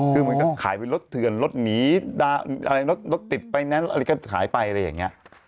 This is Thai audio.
คือมันก็ขายเป็นรถเถื่อนรถหนีอะไรรถติดไฟแนนซ์อะไรก็ขายไปอะไรอย่างนี้